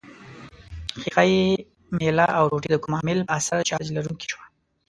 ښيښه یي میله او ټوټه د کوم عامل په اثر چارج لرونکې شوه؟